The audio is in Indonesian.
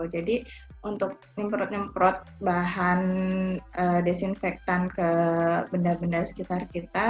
jadi untuk nyemprot nyemprot bahan disinfektan ke benda benda sekitar kita